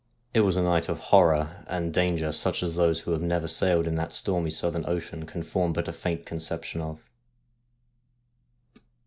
It was a night of horror and danger such as those who have never sailed in that stormy southern ocean can form but a faint conception of.